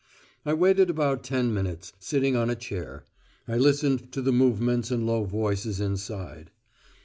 I waited about ten minutes, sitting on a chair. I listened to the movements and low voices inside.